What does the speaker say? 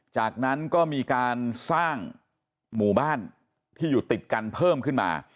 จากนั้นก็มีการสร้างหมู่บ้านที่อยู่ติดกันเพิ่มขึ้นมา